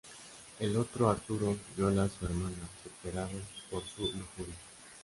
En otro Arturo viola a su hermana, superado por su lujuria.